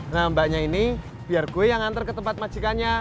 nah mbaknya ini biar gue yang ngantar ke tempat majikannya